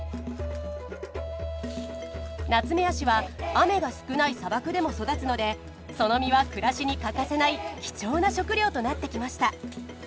ナツメヤシは雨が少ない砂漠でも育つのでその実は暮らしに欠かせない貴重な食料となってきました。